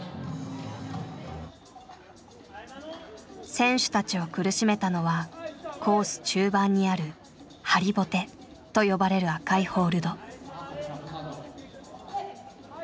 選手たちを苦しめたのはコース中盤にある「ハリボテ」と呼ばれる赤いホールド。